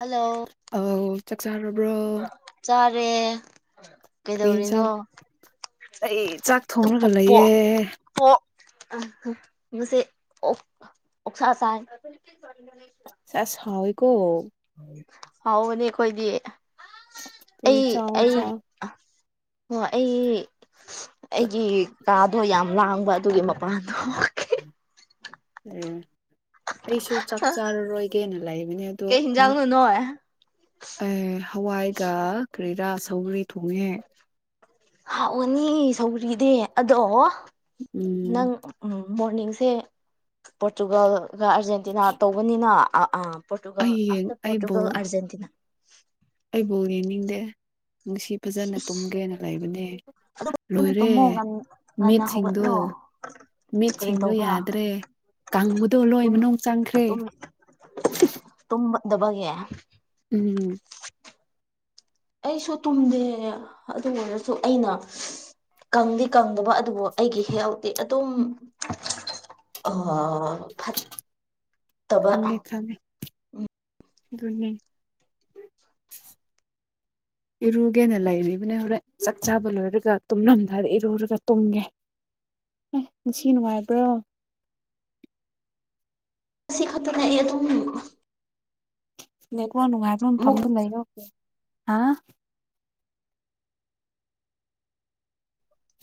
hello ꯑꯧ ꯆꯥꯛ ꯆꯥꯔꯕ꯭ꯔꯣ ꯆꯔꯦ ꯀꯔꯤ ꯀꯩꯗꯧꯔꯤꯅꯣ ꯏꯟꯁꯥꯡ ꯑꯩ ꯆꯥꯛ ꯊꯣꯡꯔꯒ ꯄ ꯂꯩꯌꯦ ꯄ ꯑ ꯃꯁꯦ ꯑꯣꯛ ꯑꯣꯛꯁꯥ ꯆꯥꯏ ꯑꯁꯥꯎꯏꯀꯣ ꯍꯕꯅꯤ ꯑꯩꯈꯣꯏꯗꯤ ꯑꯗꯨꯗꯤ ꯑꯩ ꯆꯥꯎ ꯑꯩ ꯆꯥꯎ ꯑꯣ ꯑꯩ ꯑꯩꯒꯤ ꯀꯥꯗꯣ ꯌꯥꯝ ꯂꯥꯡꯕ ꯑꯗꯨꯒꯤ ꯃꯄꯥꯟ ꯎꯝ ꯑꯩꯁꯨ ꯆꯥꯛ ꯆꯥꯔꯔꯣꯏꯒꯦꯅ ꯂꯩꯕꯅꯦ ꯑꯗꯣ ꯀꯩ ꯑꯃꯨꯛ ꯍꯤꯟꯖꯥꯡꯅꯣ ꯅꯣꯏ ꯑꯦ ꯍꯋꯥꯏꯒ ꯀꯔꯤꯔꯥ ꯁꯧꯔꯤ ꯊꯣꯡꯉꯦ ꯍꯥꯎꯑꯣꯅꯤ ꯁꯧꯔꯤꯗꯤ ꯑꯗꯣ ꯎꯝ ꯅꯪ ꯎꯝ ꯃꯣꯔꯅꯤꯡꯁꯦ ꯄꯣꯔꯇꯨꯒꯜꯒ ꯑꯥꯔꯖꯦꯟꯇꯤꯅꯥ ꯇꯧꯕꯅꯤꯅ ꯄꯣꯔꯇꯨꯒ ꯑꯩ ꯌꯦꯡ ꯑꯐꯇꯔ ꯑꯩ ꯄꯣꯔꯇꯨꯒꯜ ꯕꯣꯜ ꯑꯔꯖꯦꯟꯇꯤꯅꯥ ꯑꯩ ꯕꯣꯜ ꯌꯦꯡ ꯅꯤꯡꯗꯦ ꯅꯨꯡꯁꯤ ꯐꯖꯅ ꯇꯨꯝꯒꯦꯅ ꯂꯩꯕꯅꯦ ꯉꯟꯅ ꯂꯣꯏꯔꯦ ꯇꯨꯝꯃꯣ ꯉꯟꯅ ꯃꯤꯠꯁꯤꯡꯗꯣ ꯍꯧꯒꯠꯂꯣ [unintelligible] ꯃꯤꯠ ꯁꯤꯡꯗꯣ ꯇꯧꯕ꯭ꯔꯥ ꯌꯥꯗ꯭ꯔꯦ ꯀꯪꯕꯗꯣ ꯂꯣꯏ ꯃꯅꯨꯡ ꯆꯪꯈ꯭ꯔꯦ ꯇ ꯗꯕꯒꯦ ꯎꯝ ꯑꯩꯁꯨ ꯇꯨꯝꯗꯦ ꯑꯗꯨ ꯑꯣꯏꯔꯁꯨ ꯑꯩꯅ ꯀꯪꯗꯤ ꯀꯪꯗꯕ ꯑꯗꯨꯕꯨ ꯑꯩꯒꯤ ꯍꯦꯜꯇꯤ ꯑꯗꯨꯝ ꯑ ꯈꯡꯉꯦ ꯈꯡꯉꯦ ꯅꯤ ꯏꯔꯨꯒꯦꯅ ꯂꯩꯔꯤꯕꯅꯤ ꯍꯣꯔꯦꯟ ꯆꯥꯛ ꯆꯥꯕ ꯂꯣꯏꯔꯒ ꯇꯨꯝꯂꯝꯗꯥꯏꯗ ꯏꯔꯨꯔꯒ ꯇꯨꯝꯒꯦ ꯑꯦ ꯁꯤ ꯅꯨꯡꯉꯥꯏꯕ꯭ꯔꯣ ꯑ [inaudible] ꯀꯁꯤ ꯈꯇꯔ ꯇꯨꯝ ꯂꯩ ꯅꯨꯡꯉꯥꯏꯕ ꯃꯐꯝꯗ ꯂꯩꯔꯦ ꯍꯥ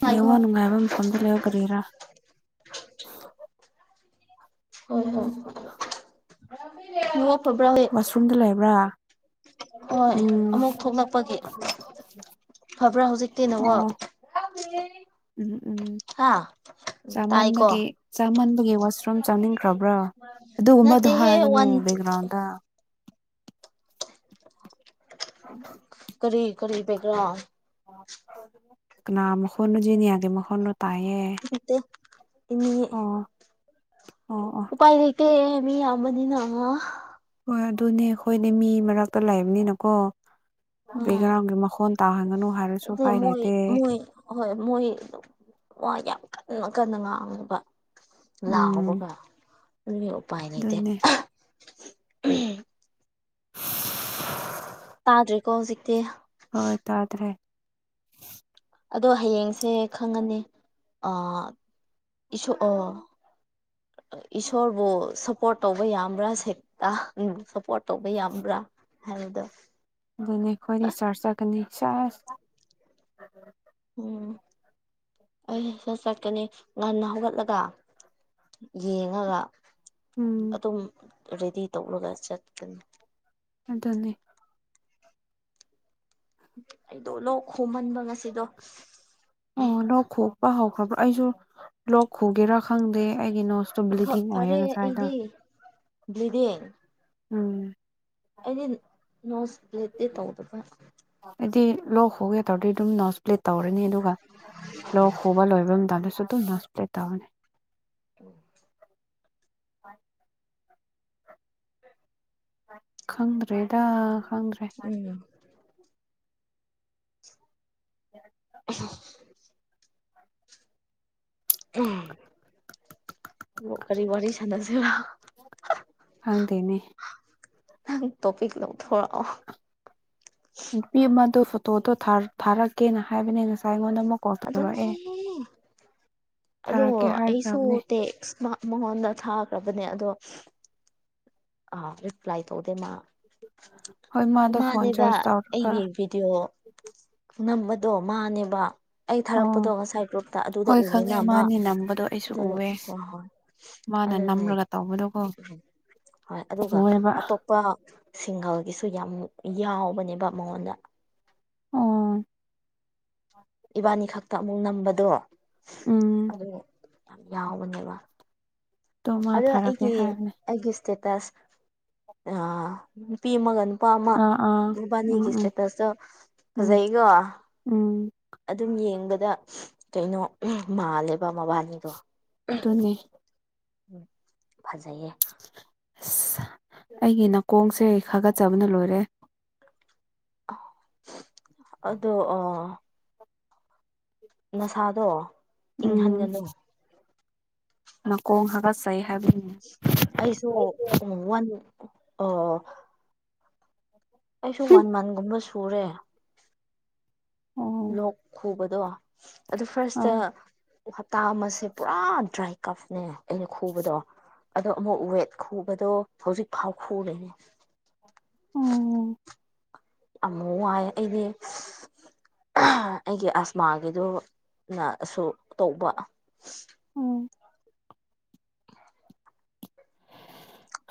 ꯉꯥꯏꯈꯣ ꯌꯦꯡꯉꯣ ꯅꯨꯡꯉꯥꯏꯕ ꯃꯐꯝꯗ ꯂꯩꯗꯔꯤꯔꯥ ꯍ ꯍꯣ ꯋꯥꯁꯔꯨꯝꯗ ꯂꯩꯕ꯭ꯔꯥ ꯍꯣꯏ ꯎꯝ ꯑꯃꯨꯛ ꯊꯣꯛꯂꯛꯄꯒꯤ ꯐꯕ꯭ꯔꯥ ꯍꯧꯖꯤꯛꯇꯤ ꯅꯉꯣ ꯑꯣ ꯎꯝ ꯎꯝ ꯎꯝ ꯇꯥꯏꯀꯣ ꯆꯥꯃꯟꯕꯒꯦ ꯆꯥꯃꯟ ꯑꯩꯒꯤ ꯋꯥꯁꯔꯨꯝ ꯆꯥꯅꯤꯡꯈ꯭ꯔꯕ꯭ꯔꯥ ꯑꯗꯨꯒꯨꯝꯕꯗꯣ ꯅꯠꯇꯦꯍꯦ ꯍꯥꯏꯒꯅꯨ ꯋꯥꯟ ꯕꯦꯛꯒ꯭ꯔꯥꯎꯟꯗ ꯀꯔꯤ ꯀꯔꯤ ꯄꯦꯒ꯭ꯔꯥ ꯉꯅꯥ ꯃꯈꯣꯟꯨꯖꯤꯅꯤ ꯌꯥꯒꯦ ꯃꯈꯁꯣꯟꯨ ꯇꯥꯏꯌꯦ ꯏꯅꯤ ꯑꯣ ꯑꯣ ꯑꯣ ꯎꯥꯏ ꯂꯩꯇ ꯃꯤ ꯌꯥꯝꯅꯤꯅ ꯍꯣꯏ ꯑꯗꯨꯅꯦ ꯑꯩꯈꯣꯏꯅꯦ ꯃꯤ ꯃꯔꯛꯇ ꯂꯩꯕꯅꯤꯅꯀꯣ ꯑꯥ ꯕꯦꯛꯒ꯭ꯔꯥꯎꯟꯒꯤ ꯃꯈꯣꯟ ꯇꯥ ꯍꯥꯏꯒꯅ ꯃꯣꯏ ꯃꯣꯏ ꯍꯣꯏ ꯃꯣꯏ ꯌꯥ ꯀꯟꯅ ꯉꯥꯡꯨꯕ ꯎꯝ ꯂꯥꯎꯕꯒ ꯑꯗꯨꯒꯤꯥꯏꯅꯤꯇ ꯑꯗꯨꯅꯦ ꯇꯥꯗ꯭ꯔꯦꯀꯣ ꯍꯧꯖꯤꯛꯇꯤ ꯍꯣꯏ ꯇꯗ꯭ꯔꯦ ꯑꯗꯣ ꯍꯌꯦꯡꯁꯦ ꯈꯪꯉꯅꯤ ꯑ ꯏꯁꯣꯛ ꯑꯣ ꯏꯁꯣꯔꯕꯨ ꯁꯞꯄꯣꯔꯠ ꯇꯧꯕ ꯌꯥꯝꯕ꯭ꯔꯥ ꯁꯦꯛꯇ ꯁꯞꯄꯣꯔꯠ ꯇꯧꯕ ꯌꯥꯝꯕ꯭ꯔꯥ ꯍꯗꯣ ꯑꯗꯨꯅꯤ ꯑꯩꯈꯣꯏꯅꯤ ꯆꯥꯔꯠ ꯆꯠꯀꯅꯤ ꯆꯁ ꯎꯝ ꯑꯩ ꯁꯠ ꯆꯠꯀꯅꯤ ꯉꯟꯅ ꯍꯧꯒꯠꯂꯒ ꯌꯦꯡꯉꯒ ꯎꯝ ꯑꯗꯨꯝ ꯔꯦꯗꯤ ꯇꯧꯂꯒ ꯆꯠꯀꯅꯤ ꯑꯗꯨꯗꯅꯤ ꯑꯩꯗꯣ ꯂꯣꯛ ꯈꯣꯝꯍꯟꯕ ꯉꯁꯤꯗꯣ ꯑꯣ ꯂꯣꯛ ꯈꯨꯄ ꯍꯧꯈ꯭ꯔꯕꯥ ꯑꯩꯁꯨ ꯂꯣꯛ ꯈꯨꯒꯦꯔꯥ ꯈꯪꯗꯦ ꯑꯩꯒꯤꯅꯣ ꯕ꯭ꯂꯤꯗꯤꯡ ꯑꯣꯏꯌꯦ ꯉꯁꯥꯏꯅ ꯭ꯂꯗꯤ ꯎꯝ ꯑꯗꯤ ꯅꯣꯁ ꯂꯩꯦꯇꯦ ꯇꯧꯗꯕ ꯑꯩꯗꯤ ꯂꯣꯛ ꯍꯒꯦ ꯇꯧꯔꯗꯤ ꯑꯗꯨꯝ ꯅꯣ ꯏꯁꯄ꯭ꯂꯦꯠ ꯇꯧꯔꯅꯤ ꯑꯗꯨꯒ ꯂꯣꯛ ꯈꯨꯕ ꯂꯣꯏꯕ ꯃꯇꯝꯗꯁꯨ ꯅꯁ ꯄ꯭ꯔꯦ ꯇꯥ ꯍꯅꯦ ꯎꯝ ꯍ ꯈꯪꯗ꯭ꯔꯦꯗ ꯈꯪꯗ꯭ꯔꯦ ꯎꯝ ꯑꯣ ꯑ ꯎ ꯀꯔꯤ ꯋꯥꯔꯤ ꯋꯥꯔꯤ ꯁꯅꯁꯦꯕ ꯍꯗꯦꯅꯦ ꯪ ꯇꯣꯄꯤꯛ ꯂ ꯊꯔ ꯅꯨꯄꯤ ꯑꯃꯗꯣ ꯐꯣꯇꯣꯗꯣ ꯊꯥꯔꯛꯀꯦꯅ ꯍꯥꯏꯕꯅꯦ ꯉꯁꯥꯏ ꯑꯩꯉꯣꯟꯗ ꯑꯃꯨꯛ ꯀꯣꯜ ꯑ ꯇꯧꯔꯛꯑꯦ ꯑꯗꯣ ꯊꯥꯔꯛꯀꯦ ꯑꯩꯁꯨꯨ ꯍꯥꯏꯈ꯭ꯔꯕꯅꯦ ꯇꯦ ꯁꯃ ꯃꯉꯣꯟꯗ ꯊꯥꯈ꯭ꯔꯕꯅꯦ ꯑꯗꯣ ꯑ ꯔꯔꯤꯄ꯭ꯂꯥꯏ ꯇ ꯑꯣ ꯃꯥ ꯍꯣꯏ ꯃꯥꯗꯣ ꯐꯣꯟ ꯃꯥꯅꯦꯕ ꯆꯥꯔꯖ ꯇꯧꯔꯒ ꯑꯩꯒꯤ ꯚꯤꯗꯤꯑꯣ ꯉꯝꯕꯗꯣ ꯃꯥꯅꯦꯕ ꯑꯩ ꯑꯣ ꯊꯥꯔꯛꯄꯗꯣ ꯉꯁꯥꯏ ꯒ꯭ꯔꯨꯞꯇ ꯑꯗꯨꯗ ꯍꯣꯏ ꯈꯪꯉꯦ ꯎꯋꯦꯕ ꯃꯥꯅꯤ ꯅꯝꯕꯗꯣ ꯑꯩꯁꯨ ꯑꯗꯨꯗꯣ ꯎꯑꯦ ꯍꯣꯏ ꯍꯣꯏ ꯃꯥꯅ ꯅꯝꯂꯒ ꯇꯧꯕꯗꯨꯣꯀꯣ ꯍ ꯑꯗꯨꯒ ꯑꯇꯣꯞꯄ ꯁꯤꯡꯒꯜꯒꯤꯁꯨ ꯌꯥꯝ ꯌꯥꯎꯕꯅꯦꯕ ꯃꯉꯣꯟꯗ ꯑꯣ ꯏꯕꯥꯅꯤ ꯈꯛꯇ ꯑꯃꯨꯛ ꯅꯝꯕꯗꯣ ꯎꯝ ꯑꯗꯨ ꯌꯥꯎꯕꯅꯦꯕ ꯇꯣ ꯃꯥ ꯑꯗꯣ ꯊꯥꯔꯛꯀꯦ ꯑꯩꯒꯤ ꯍꯥꯏꯕꯅꯦ ꯑꯩꯒꯤ ꯏꯁꯇꯦꯇꯁ ꯅꯨꯄꯤ ꯑꯃꯒ ꯅꯨꯄꯥ ꯑꯃ ꯑꯥ ꯑꯥ ꯎꯝ ꯅꯨꯕꯥꯅꯤꯒꯤ ꯎꯝ ꯏꯁꯇꯦꯇꯁꯇ ꯎꯝ ꯐꯖꯩꯀꯣ ꯎꯝ ꯑꯗꯨꯝ ꯌꯦꯡꯕꯗ ꯀꯩꯅꯣ ꯃꯥꯜꯂꯦꯕ ꯃꯕꯥꯅꯤꯗꯣ ꯅꯦ ꯎ ꯐꯖꯩꯌ‌ꯩ ꯑꯁ ꯑꯩꯒꯤ ꯅꯥꯀꯣꯡꯁꯦ ꯈꯥꯒꯠꯆꯕꯅ ꯂꯣꯏꯔꯦ ꯑꯗꯣ ꯑ ꯅꯁꯥꯗꯣ ꯏꯪꯍꯟꯒꯅꯨ ꯃꯈꯀꯣꯡ ꯍꯥꯒꯠꯆꯩ ꯍꯥꯏꯕꯅꯤ ꯑꯩꯁꯨꯣ ꯎ ꯋꯥꯟ ꯑ ꯑꯩꯁꯨ ꯋꯥꯟ ꯃꯟꯒꯨꯝꯕ ꯁꯨꯔꯦ ꯑꯣ ꯂꯣꯛ ꯈꯨꯕꯗꯣ ꯑꯗꯨ ꯐꯥꯔꯁꯇ ꯑꯥ ꯍꯞꯇꯥ ꯑꯃꯁꯦ ꯄꯨꯔꯥ ꯗ꯭ꯔꯥꯏ ꯀꯞꯅꯦ ꯑꯩꯅ ꯈꯨꯕꯗꯣ ꯑꯗꯣ ꯑꯃꯨꯛ ꯋꯦꯠ ꯈꯨꯕꯗꯣ ꯍꯧꯖꯤꯛ ꯐꯥꯎ ꯈꯨꯔꯦꯅꯦ ꯑꯣ ꯑꯃꯨ ꯍꯥꯏ ꯑꯩꯗꯤ ꯑꯩꯒꯤ ꯑꯁꯃꯥꯒꯤꯗꯨꯅꯁꯨ ꯇꯧꯕ ꯑꯣ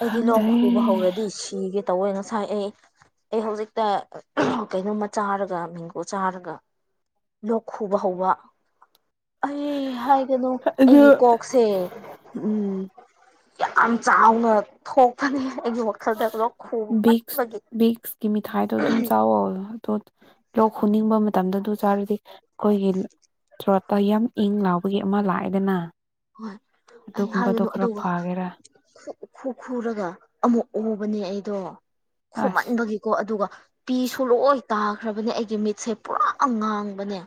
ꯑꯩꯗꯤ ꯂꯣꯛ ꯈꯪꯗ꯭ꯔꯦ ꯈꯨꯕ ꯍꯧꯔꯗꯤ ꯁꯤꯒꯦ ꯇꯧꯋꯦ ꯉꯁꯥꯏ ꯑꯩ ꯑꯩ ꯍꯧꯖꯤꯛꯇ ꯀꯩꯅꯣꯝꯃ ꯆꯥꯔꯒ ꯃꯦꯡꯒꯣ ꯆꯥꯔꯒ ꯂꯣꯛ ꯍꯨꯕ ꯍꯋꯥ ꯑꯩ ꯍꯥꯏꯒꯅꯨ ꯑꯗꯨ ꯑꯩꯒꯤ ꯀꯣꯛꯁꯦ ꯎꯝ ꯌꯥꯝ ꯆꯥꯎꯅ ꯊꯣꯛꯄꯅꯤ ꯑꯩꯒꯤ ꯋꯥꯈꯜꯗ ꯕꯤꯛꯁ ꯈꯨꯃꯟꯕꯒꯤ ꯕꯤꯛꯁꯀꯤ ꯃꯤꯊꯥꯏꯗꯣ ꯑꯗꯨꯝ ꯆꯥꯎꯋꯣ ꯑꯣ ꯂꯣꯛ ꯎꯝ ꯍꯨꯅꯤꯡꯕ ꯃꯇꯝꯗ ꯑꯗꯨ ꯁꯥꯔꯗꯤ ꯑꯩꯈꯣꯏꯒꯤ ꯄꯌ ꯏꯪ ꯂꯥꯎꯕꯒꯤ ꯑꯃ ꯂꯥꯛꯑꯦꯗꯅ ꯍꯣꯏ ꯑꯩ ꯑꯗꯨꯒꯨꯝꯕꯗꯣ ꯍꯥꯏꯒꯅꯨ ꯈꯔ ꯑꯗꯨꯒ ꯐꯒꯦꯔꯥ ꯈꯨꯔ ꯈꯨꯔꯒ ꯑꯃꯨꯛ ꯑꯣꯕꯅꯦ ꯑꯩꯗꯣ ꯑꯁ ꯈꯃꯟꯕꯒꯤꯀꯣ ꯑꯗꯨꯒ ꯄꯤꯁꯨꯂꯣꯏ ꯇꯥꯈ꯭ꯔꯕꯅꯦ ꯑꯩꯒꯤ ꯃꯤꯠꯁꯦ ꯄꯨꯔꯥ ꯉꯥꯡꯕꯅꯦ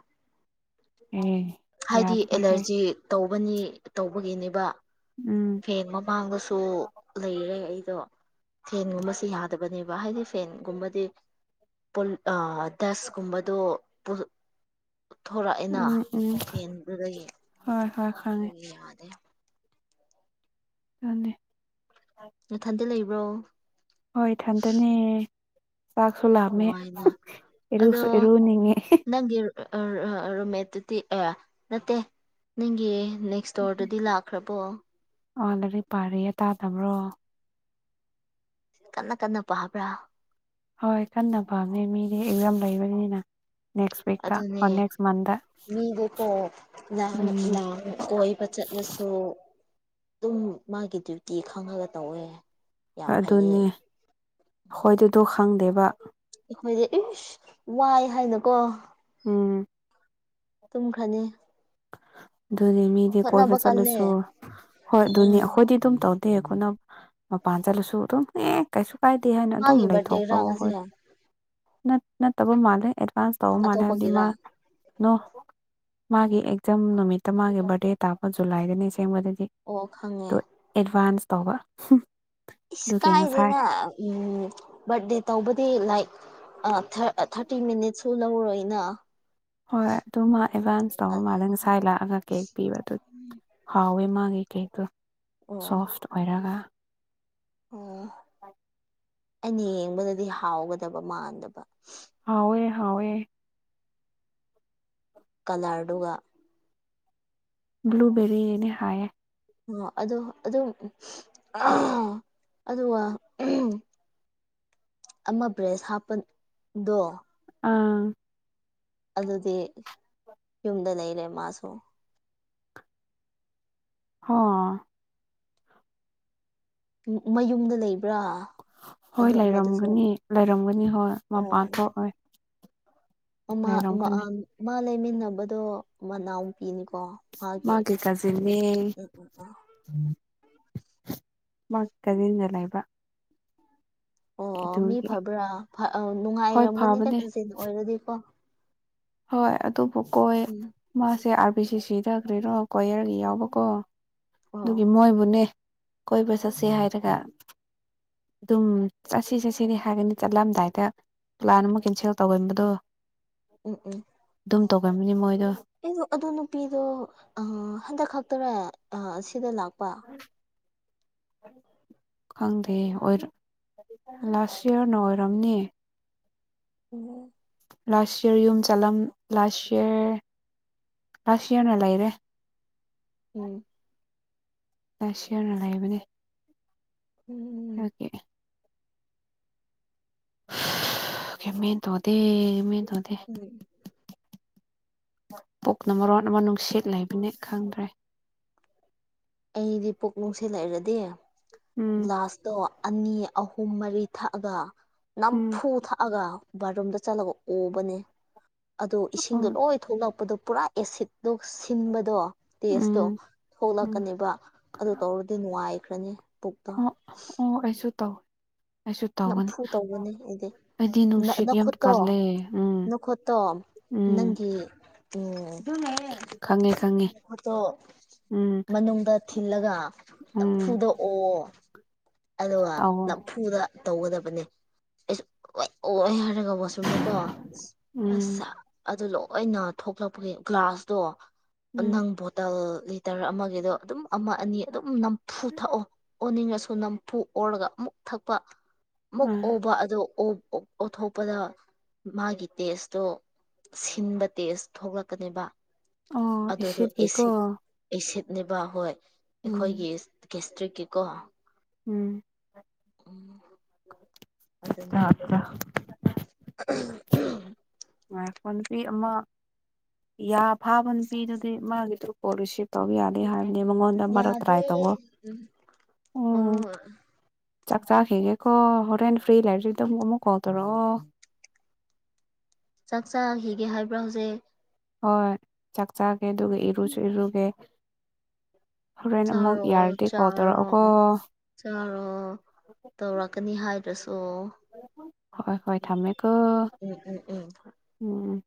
ꯑꯦ ꯍꯥꯏꯗꯤ ꯌꯥꯗ꯭ꯔꯦꯍꯦ ꯑꯦꯂꯔꯖꯤ ꯇꯧꯕꯅꯤ ꯇꯧꯕꯒꯤꯅꯦꯕ ꯎꯝ ꯐꯦꯟ ꯃꯃꯥꯡꯗꯁꯨ ꯂꯩꯔꯦ ꯑꯩꯗꯣ ꯐꯦꯟꯒꯨꯝꯕꯕꯁꯤꯦ ꯌꯥꯗꯕꯅꯦꯕ ꯍꯥꯏꯗꯤ ꯐꯦꯟꯒꯨꯝꯕꯗꯤ ꯗꯁꯀꯨꯝꯕꯗꯣ ꯎꯠꯊꯣꯔꯛꯑꯦꯅ ꯎꯝ ꯎꯝ ꯐꯦꯟꯗꯨꯗꯒꯤ ꯍꯣꯏ ꯍꯣꯏ ꯈꯪꯉꯦ ꯑꯗꯨꯒꯤ ꯌꯥ ꯌꯥꯗꯤꯦ ꯑꯗꯨꯅꯤ ꯃꯊꯟꯗꯤ ꯂꯩꯕ꯭ꯔꯣ ꯍꯣꯏ ꯊꯟꯗꯅꯤ ꯆꯥꯛꯁꯨ ꯂꯥꯝꯃꯦ ꯅꯨꯡꯉꯥꯏꯅ ꯑꯗꯣ ꯏꯔꯨꯁꯨ ꯏꯔꯨꯅꯤꯡꯉꯦ ꯅꯪꯒꯤ ꯔꯨꯝꯃꯦꯠꯇꯨꯗꯤ ꯑꯦ ꯅꯠꯇꯦ ꯅꯪꯒꯤ ꯅꯦꯛꯁ ꯁ꯭ꯇꯣꯔꯗꯗꯤ ꯂꯥꯛꯈ꯭ꯔꯕꯣ ꯑ ꯂꯔꯤꯛ ꯄꯥꯔꯌꯦ ꯇꯥꯗꯕ꯭ꯔꯣ ꯀꯟꯅ ꯀꯟꯅ ꯄꯥꯕ꯭ꯔꯥ ꯍꯣꯏ ꯀꯟꯅ ꯐꯪꯅꯤ ꯃꯤꯗꯤ ꯏꯝ ꯂꯩꯕꯅꯤꯅ ꯅꯦꯛꯁꯤꯀ ꯑꯗꯨꯅꯦ ꯑꯣ ꯅꯦꯛꯁ ꯃꯟꯗꯦ ꯃꯤꯗꯤꯀꯣ ꯎꯝ ꯃ ꯆꯠꯂꯁꯨ ꯑꯗꯨꯝ ꯃꯥꯒꯤ ꯗ꯭ꯌꯨꯇꯤ ꯈꯪꯉꯒ ꯇꯧꯋꯦ ꯌꯥꯝ ꯐꯩꯌꯦ ꯑꯗꯨꯅꯦ ꯍꯣꯏ ꯑꯗꯨꯗꯣ ꯈꯪꯗꯦꯕ ꯑꯩꯈꯣꯏꯗꯤ ꯏꯁ ꯋꯥꯏ ꯍꯥꯏꯅꯀꯣ ꯎꯝ ꯇꯨꯝꯈ꯭ꯔꯅꯤ ꯑꯗꯨꯅꯦ ꯃꯤꯗꯤ ꯀꯣꯏꯕ ꯍꯣꯠꯅꯕ ꯀꯜꯂꯦ ꯆꯠꯂꯁꯨ ꯍꯣꯏ ꯑꯗꯨꯅꯤ ꯑꯗꯨꯅꯦ ꯑꯩꯈꯣꯏꯗꯤ ꯑꯗꯨꯝ ꯇꯧ ꯇ ꯑꯩꯅ ꯃ ꯄꯥꯥꯟꯖꯥ ꯂꯣꯏꯁꯁꯨ ꯇ ꯑꯦ ꯀꯥꯏꯁꯨ ꯀꯥꯏꯗꯦ ꯍꯥꯏꯅ ꯑꯗꯨꯝ ꯃꯥꯒꯤ ꯂꯩꯊꯣꯛꯄ ꯕꯥꯔꯗꯦꯔꯥ ꯉꯁꯤ ꯍꯣꯏ ꯅꯠꯇꯕ ꯃꯥꯜꯂꯦ ꯑꯦꯗꯚꯥꯟꯁ ꯇꯧꯕ ꯃꯥꯜꯂꯦ ꯍꯥꯏꯕꯗꯤ ꯑꯇꯣꯞꯄꯒꯤꯔ ꯃꯥ ꯅꯣ ꯃꯥꯒꯤ ꯑꯦꯛꯖꯥꯝ ꯅꯨꯃꯤꯠꯇ ꯃꯥꯒꯤ ꯕꯥꯔꯗꯦ ꯇꯥꯛꯄ ꯖꯨꯂꯥꯏꯗꯅꯤ ꯁꯦꯝꯦꯡꯕꯗ ꯑꯣ ꯈꯪꯉꯦ ꯑꯦꯗꯚꯥꯟꯁ ꯇꯧꯕ ꯏꯁ ꯑꯗꯨꯒꯤ ꯉꯁꯥꯏ ꯀꯥꯏꯗꯦꯅꯦ ꯎꯝ ꯕꯥꯔꯗꯦ ꯇꯧꯕꯗꯤ ꯂꯥꯏꯛ ꯑ ꯊꯥꯔꯇꯤ ꯃꯤꯅꯤꯠꯁꯨ ꯂꯧꯔꯣꯏꯅ ꯍꯣꯏ ꯑꯗꯨ ꯃꯥ ꯑꯦꯗꯚꯥꯟꯁ ꯇꯧꯕ ꯃꯥꯜꯂꯦ ꯉꯁꯥꯏ ꯂꯥꯛꯑꯒ ꯀꯦꯛ ꯄꯤꯕ ꯑꯗꯨ ꯍꯥꯎꯋꯦ ꯃꯥꯒꯤꯀꯩꯗꯣ ꯑꯣ ꯁꯣꯐ ꯑꯣꯏꯔꯒ ꯑꯣ ꯑꯩꯅ ꯌꯦꯡꯕꯗꯗꯤ ꯍꯥꯎꯒꯗꯕ ꯃꯥꯟꯗꯕ ꯍꯋꯣꯏ ꯍꯋꯦ ꯀꯂꯔꯗꯨꯒ ꯭ꯂꯨꯕꯦꯔꯤ ꯌꯦꯅꯦ ꯍꯥꯏꯌꯦꯦ ꯑ ꯑꯗꯣ ꯑꯗꯨ ꯑꯗꯨꯒ ꯑꯃ ꯕ꯭ꯔꯦꯁ ꯍꯥꯞꯄꯗꯣ ꯑꯥ ꯑꯗꯨꯗꯤ ꯌꯨꯝꯗ ꯂꯩꯔꯦ ꯃꯥꯁꯨ ꯑ ꯃꯌꯨꯝꯗ ꯂꯩꯕ꯭ꯔꯥ ꯍꯣꯏ ꯑꯗꯨ ꯑꯃꯗꯨꯁꯨ ꯂꯩꯔꯝꯒꯅꯤ ꯂꯩꯔꯝꯒꯅꯤ ꯍꯣꯏ ꯃꯄꯥꯟ ꯑꯣ ꯊꯣꯛꯑꯣ ꯃꯥ ꯂꯩꯃꯤꯟꯅꯕꯗꯣ ꯃꯅꯥꯎ ꯐꯅꯤꯀꯣ ꯃꯥꯒꯤ ꯎꯝ ꯎꯝ ꯎꯝ ꯃꯥ ꯀꯗꯤꯗ ꯂꯩꯥꯏꯕ ꯑꯣ ꯃꯤ ꯐꯕ꯭ꯔꯥ ꯍꯣꯏ ꯅꯨꯡꯉꯥꯏꯔꯝꯒꯅꯤꯗ ꯐꯕꯅꯦ ꯀꯁꯦꯜꯅ ꯑꯣꯏꯔꯗꯤꯀꯣ ꯍꯣꯏ ꯑꯗꯨꯕꯨ ꯀꯣꯏ ꯎꯝ ꯃꯥꯁꯦ ꯑꯥꯔ ꯕꯤ ꯁꯤ ꯁꯤꯗ ꯀꯔꯤꯅꯣ ꯀꯣꯌꯔꯒꯤ ꯌꯥꯎꯕꯀꯣ ꯑꯗꯨꯒꯤ ꯑꯣ ꯃꯣꯏꯕꯨꯅꯦ ꯀꯣꯏ ꯄꯩꯁꯥꯥꯁꯦ ꯍꯥꯏꯔꯒ ꯑꯗꯨꯝ ꯆꯠꯁꯤ ꯆꯠꯁꯤꯅꯦ ꯍꯥꯏꯒꯅꯤ ꯆꯠꯂꯝꯗꯥꯏꯗ ꯄ꯭ꯂꯥꯟ ꯑꯃ ꯀꯦꯟꯁꯦꯜ ꯇꯧꯒꯟꯕꯗꯣ ꯎꯝ ꯎꯝ ꯇꯧꯒꯅꯕꯅꯤ ꯃꯣꯏ ꯑꯩꯗ ꯑꯗꯨ ꯅꯨꯄꯤꯗꯣ ꯍꯟꯗꯛ ꯈꯛꯇꯔ ꯁꯤꯗ ꯂꯥꯛꯄ [unintelligible] ꯈꯪꯗꯦ ꯂꯥꯁ ꯏꯌꯥꯔꯅ ꯑꯣꯏꯔꯝꯅꯦ ꯎꯝ ꯂꯥꯁ ꯌꯔ ꯌꯨꯝ ꯆꯠꯂꯝ ꯂꯥꯁ ꯌꯔ ꯂꯥꯁ ꯌꯔꯅ ꯂꯩꯔꯦ ꯎꯝ ꯂꯥꯁꯇ꯭ ꯌꯦꯥꯔ ꯗꯥ ꯂꯩꯕꯅꯦ ꯎꯝ ꯑꯣꯀꯦ ꯃ ꯊꯣꯗꯦ ꯃ ꯊꯧꯗꯦ ꯎꯝ ꯄꯨꯛꯅ ꯃꯔꯣ ꯑꯃ ꯅꯨꯡꯁꯤꯠ ꯂꯩꯕꯅꯤ ꯈꯪꯗ꯭ꯔꯦ ꯑꯩꯗꯤ ꯄꯣꯛ ꯅꯨꯡꯁꯤꯠ ꯂꯩꯔꯗꯤ ꯎꯝ ꯒ꯭ꯂꯥꯁꯇꯣ ꯑꯅꯤ ꯑꯍꯨꯝ ꯃꯔꯤ ꯊꯛꯑꯒ ꯎꯝ ꯅꯝꯐꯨ ꯊꯛꯑꯒ ꯕꯥꯠꯔꯨꯝꯗ ꯆꯠꯂꯒ ꯑꯣꯕꯅꯦ ꯑꯗꯣ ꯏꯁꯤꯡꯗꯣ ꯑꯣ ꯂꯣꯏ ꯊꯣꯛꯂꯛꯄꯗ ꯄꯨꯔꯥ ꯑꯦꯁꯤꯠ ꯑꯗꯨ ꯁꯤꯟꯕꯗꯣ ꯇꯦꯁꯇꯣ ꯎꯝ ꯎꯝ ꯊꯣꯛꯂꯛꯀꯅꯦꯕ ꯑꯗꯨ ꯇꯧꯔꯨꯗꯣꯏꯅꯦ ꯅꯨꯡꯉꯥꯏꯈ꯭ꯔꯅꯤ ꯄꯨꯛꯇꯣ ꯇꯧꯋ ꯑꯩꯁꯨ ꯇꯧꯒꯅꯤ ꯅꯝꯐꯨ ꯇꯧꯕꯅꯦ ꯑꯩꯗꯤ ꯑꯩꯗꯤ ꯅꯨꯡꯁꯤꯠ ꯌꯥꯝ ꯅꯈꯨꯠꯇꯣ ꯀꯒꯟꯂꯦ ꯎꯝ ꯅꯈꯨꯠꯇꯣ ꯅꯪꯒꯤ ꯎꯝ ꯈꯪꯉꯦꯪ ꯍꯠꯇꯣ ꯃꯅꯨꯡꯗ ꯊꯤꯜꯂꯒ ꯎꯝ ꯅꯝꯐꯨꯗꯣꯛꯑꯣ ꯑꯗꯨꯒ ꯇꯧꯋꯣ ꯅꯝꯐꯨꯗ ꯇꯧꯒꯗꯕꯅꯦ ꯑꯩꯁꯨ ꯑꯣꯏ ꯍꯥꯏꯔꯒ ꯋꯥꯁꯔꯨꯝꯗꯀꯣ ꯎꯝ ꯑꯁ ꯑꯗꯨ ꯂꯣꯏꯅ ꯊꯣꯛꯂꯛꯄꯒꯤ ꯒ꯭ꯂꯥꯁꯇꯣ ꯎꯝ ꯅꯪ ꯕꯣꯇꯜ ꯂꯤꯇꯔ ꯑꯃꯒꯤꯗꯣ ꯑꯗꯨꯝ ꯑꯃ ꯑꯅꯤ ꯑꯗꯨꯝ ꯅꯝꯐꯨ ꯊꯛꯑꯣ ꯑꯣꯅꯤꯡꯉꯁꯨ ꯅꯝꯐꯨ ꯑꯣꯔꯒ ꯃꯨꯛ ꯊꯛꯄ ꯃꯨꯛ ꯑ ꯑꯣꯕ ꯑꯗꯨ ꯑꯣꯠꯊꯣꯛꯄꯗ ꯃꯥꯒꯤ ꯇꯦꯁꯇꯣ ꯁꯤꯟꯕ ꯇꯦꯁ ꯊꯣꯛꯂꯛꯀꯅꯦꯕ ꯑꯣ ꯑꯗꯨꯗꯣ ꯏꯁꯤꯠꯀꯤꯀꯣ ꯑꯦꯁꯤꯠ ꯑꯦꯁꯤꯠ ꯕ ꯍꯣꯏ ꯑꯩꯈꯣꯏꯒꯤ ꯎꯝ ꯦꯁꯇ꯭ꯔꯤꯛꯀꯤꯀꯣ ꯎꯝ ꯑꯗꯨ ꯉꯔꯛꯄ ꯅꯨꯄꯤ ꯑꯃ ꯌꯥ ꯐꯥꯕ ꯅꯨꯄꯤꯗꯨꯗꯤ ꯃꯥꯒꯤꯗꯨ ꯀꯣꯁꯤꯞ ꯇꯧ ꯌꯥꯗꯦ ꯍꯥꯏꯕꯅꯤ ꯃꯉꯣꯟꯗ ꯃꯔꯛ ꯌꯥꯗꯦ ꯇ꯭ꯔꯥꯏ ꯇꯋꯣ ꯎꯝ ꯍꯣꯏ ꯎꯝ ꯍꯣꯏ ꯆꯥꯛ ꯆꯥꯛ ꯍꯦꯒꯦꯀꯣ ꯍꯣꯔꯔꯦꯟ ꯐ꯭ꯔꯤ ꯂꯔ ꯑꯗꯨꯒꯃꯨ ꯀꯥꯎꯗꯔꯣ ꯆꯥꯛ ꯆꯥꯈꯤꯒꯦ ꯍꯥꯏꯕ꯭ꯔꯥ ꯍꯧꯖꯤꯛ ꯍꯣꯏ ꯆꯥꯛ ꯆꯥꯒꯦ ꯑꯗꯨꯒ ꯏꯔꯨꯁꯨ ꯏꯔꯨꯒꯦ ꯍꯣꯔꯦꯟ ꯑꯃꯨꯛ ꯆꯥꯔꯣ ꯌꯥꯔꯗꯤ ꯀꯣꯜ ꯆꯥꯔꯣ ꯇꯧꯔꯛꯑꯣꯀꯣ ꯆꯥꯔꯣ ꯇꯧꯔꯛꯀꯅꯤ ꯍꯥꯏ ꯍꯣꯏ ꯍꯣꯏ ꯊꯝꯃꯦꯀꯣ ꯎꯝ ꯎꯝ ꯎꯝ ꯎꯝ